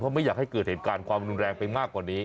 ไม่อยากให้เกิดเหตุการณ์ความรุนแรงไปมากกว่านี้